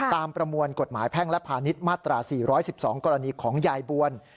ประมวลกฎหมายแพ่งและพาณิชย์มาตรา๔๑๒กรณีของยายบวล